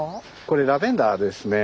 これラベンダーですね。